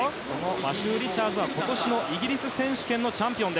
マシュー・リチャーズは今年のイギリス選手権チャンピオン。